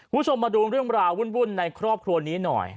คุณผู้ชมมาดูเรื่องราววุ่นในครอบครัวนี้หน่อย